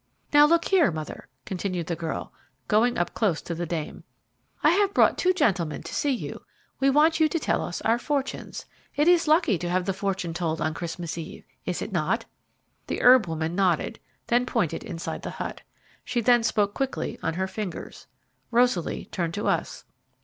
"Now, look here, mother," continued the girl, going up close to the dame, "I have brought two gentlemen to see you: we want you to tell us our fortunes. It is lucky to have the fortune told on Christmas Eve, is it not?" The herb woman nodded, then pointed inside the hut. She then spoke quickly on her fingers. Rosaly turned to us.